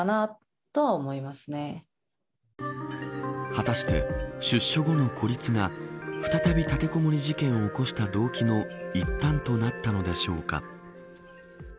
果たして、出所後の孤立が再び立てこもり事件を起こした動機のいったんとなったのでしょうか。